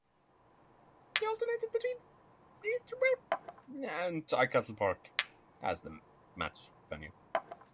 They alternated between Easter Road and Tynecastle Park as the match venue.